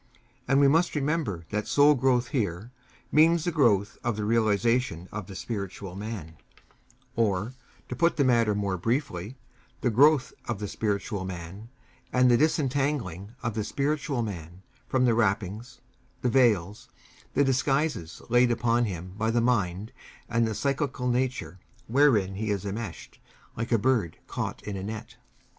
And we must remember that soul growth here means the growth of the realization of the spiritual man, or, to put the matter more briefly, the growth of the spiritual man, and the disentangling of the spiritual man from the wrappings, the veils, the disguises laid upon him by the mind and the psychical nature, wherein he is enmeshed, like a bird caught in a net.